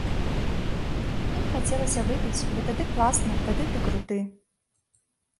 Ім хацелася выпіць, бо тады класна, тады ты круты.